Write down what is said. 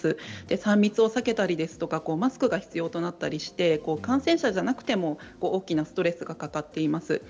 ３密を避けたりですとかマスクが必要となったりして感染者じゃなくても大きなストレスがかかっています。